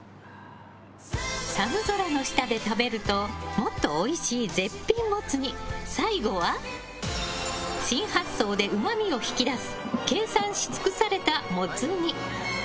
寒空の下で食べるともっとおいしい絶品モツ煮最後は新発想でうまみを引き出す計算し尽くされたモツ煮。